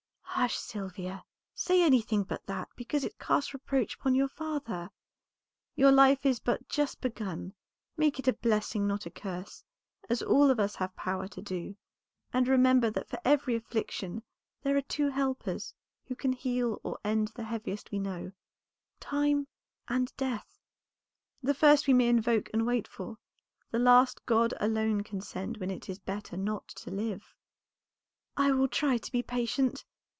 "Hush, Sylvia, say anything but that, because it casts reproach upon your father. Your life is but just begun; make it a blessing, not a curse, as all of us have power to do; and remember that for every affliction there are two helpers, who can heal or end the heaviest we know Time and Death. The first we may invoke and wait for; the last God alone can send when it is better not to live." "I will try to be patient.